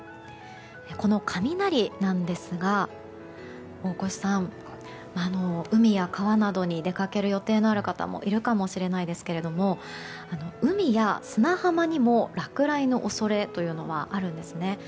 この雷なんですが大越さん、海や川などに出かける予定のある方もいるかもしれないですが海や砂浜にも落雷の恐れというのはあるんですね。